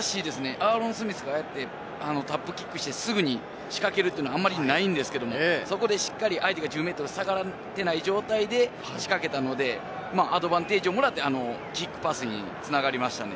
アーロン・スミスがああやってタップキックして、すぐに仕掛けるというのは、あんまりないんですけれども、そこでしっかり相手が１０ｍ下がってない状態で仕掛けたので、アドバンテージをもらってキックパスに繋がりましたね。